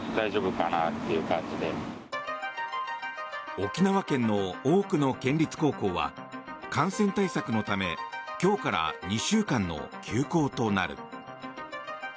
沖縄県の多くの県立高校は感染対策のため今日から２週間の休校となる。